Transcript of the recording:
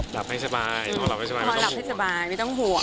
หลับให้สบายแล้วก็ลับให้สบายไม่ต้องห่วง